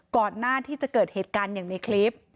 ก่อนหน้าที่จะเกิดเหตุการณ์อย่างในคลิป